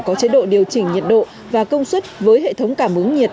có chế độ điều chỉnh nhiệt độ và công suất với hệ thống cảm hứng nhiệt